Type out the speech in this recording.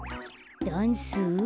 ダンス？